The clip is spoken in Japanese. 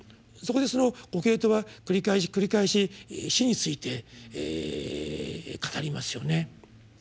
そこでコヘレトは繰り返し繰り返し死について語りますよね。